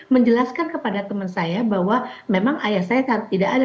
menjelaskan kepada teman saya bahwa memang ayah saya tidak ada